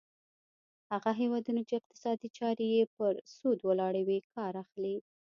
هغه هیوادونه چې اقتصادي چارې یې پر سود ولاړې وي کار اخلي.